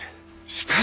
しかし！